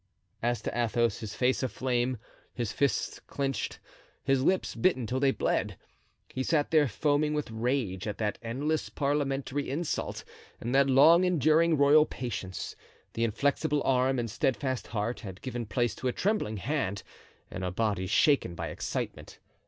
As to Athos, his face aflame, his fists clinched, his lips bitten till they bled, he sat there foaming with rage at that endless parliamentary insult and that long enduring royal patience; the inflexible arm and steadfast heart had given place to a trembling hand and a body shaken by excitement.